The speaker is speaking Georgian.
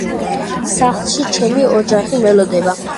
სახლში ჩემი ოჯახი მელოდება.